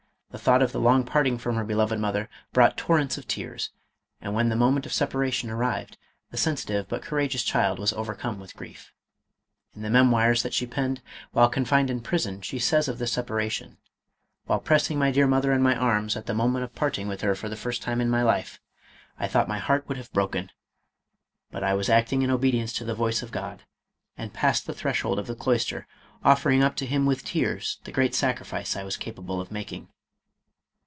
The thought of the long parting from her beloved mother brought torrents of tears, and when the moment of separation arrived, the sensitive but courageous child was overcome with grief. In the me moirs that she penned while confined in prison, she says of this separation, " While pressing my dear mother in my arms at the moment of parting with her for the first time in my life, I thought my heart would have broken ; but I was acting in obedience to the voice of God, and passed the threshold of the cloister, offering up to him with tears the great sacrifice I was capable of making.